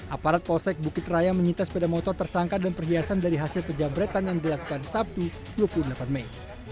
aparat polsek bukit raya menyita sepeda motor tersangka dan perhiasan dari hasil penjabretan yang dilakukan sabtu dua puluh delapan mei